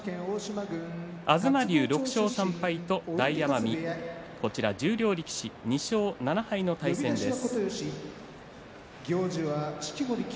東龍、６勝３敗と大奄美十両力士２勝７敗の対戦です。